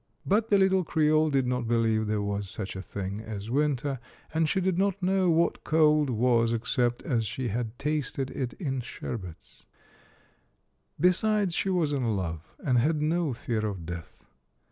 But the little creole did not be lieve there was such a thing as winter, and she did not know what cold was except as she had tasted it in sherbets ; besides, she was in love, and had no fear of death.